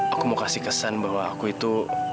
aku mau kasih kesan bahwa aku itu